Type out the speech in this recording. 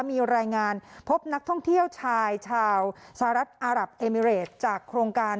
มีรายงานพบนักท่องเที่ยวชายชาวสหรัฐอารับเอมิเรตจากโครงการ